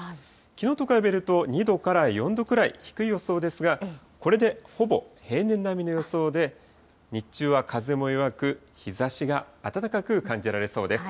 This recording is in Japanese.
きのうと比べると２度から４度くらい低い予想ですが、これでほぼ平年並みの予想で、日中は風も弱く、日ざしが暖かく感じられそうです。